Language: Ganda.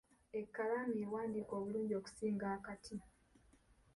Ekkalaamu y’ewandiika obulungi okusinga akati.